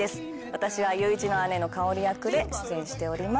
私は裕一の姉の香役で出演しております。